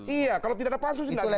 iya kalau tidak ada pansus tidak ada